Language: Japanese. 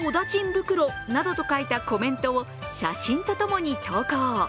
袋などと書いたコメントを写真とともに投稿。